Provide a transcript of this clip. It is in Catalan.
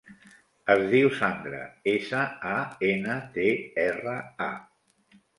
Es diu Sandra: essa, a, ena, de, erra, a.